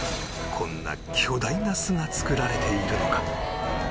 こんな巨大な巣が作られているのか？